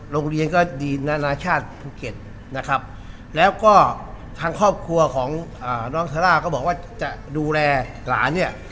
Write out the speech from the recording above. โรงเรียนก็ดีนานาชาติภูเก็ตนะครับแล้วก็ทางครอบครัวของน้องซาร่าก็บอกว่าจะดูแลหลานเนี่ย